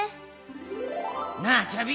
なあチョビ。